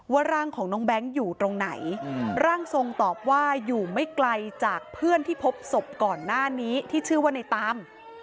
ร่างของน้องแบงค์อยู่ตรงไหนร่างทรงตอบว่าอยู่ไม่ไกลจากเพื่อนที่พบศพก่อนหน้านี้ที่ชื่อว่าในตาม